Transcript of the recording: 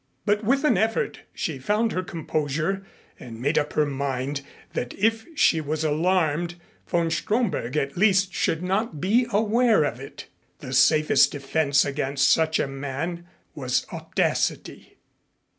But with an effort she found her composure and made up her mind that if she was alarmed von Stromberg at least should not be aware of it. The safest defense against such a man was audacity.